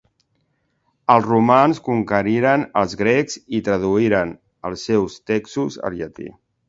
Els romans conqueriren els grecs i traduïren els seus textos al llatí.